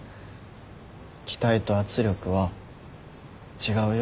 期待と圧力は違うよ。